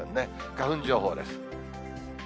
花粉情報です。